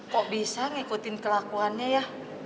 kok bisa ngikutin kelakuannya ya